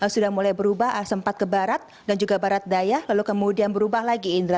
sudah mulai berubah sempat ke barat dan juga barat daya lalu kemudian berubah lagi indra